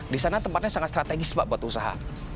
disana tempatnya sangat strategis pak buat usaha